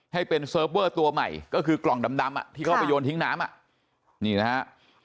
ให้เป็นเซิร์ฟเวอร์ตัวใหม่ก็คือกล่องดำที่เขาไปโยนทิ้งน้ำอ่ะนี่นะฮะ